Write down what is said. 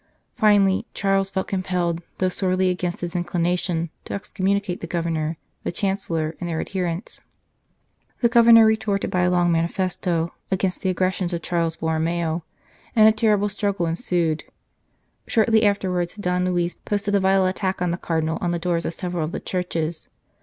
Finally, Charles felt com pelled, though sorely against his inclination, to excommunicate the Governor, the Chancellor, and their adherents. The Governor retorted by a long manifesto " against the aggressions of Cardinal Borromeo," and a terrible struggle ensued. Shortly afterwards Don Luis posted a vile attack on the Cardinal on the doors of several of the churches.